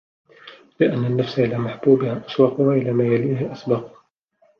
لِأَنَّ النَّفْسَ إلَى مَحْبُوبِهَا أَشْوَقُ وَإِلَى مَا يَلِيهِ أَسْبَقُ